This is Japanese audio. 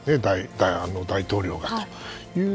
大統領がという。